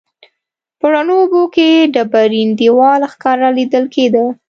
په روڼو اوبو کې ډبرین دیوال ښکاره لیدل کیده.